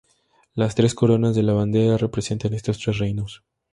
Las tres coronas de la bandera representan estos tres reinos.